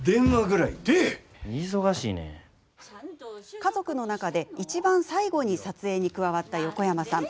家族の中で、いちばん最後に撮影に加わった横山さん。